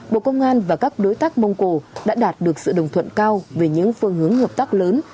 bộ công an và các đối tác mông cổ đã đạt được sự đồng thuận cao về những phương hướng hợp tác lớn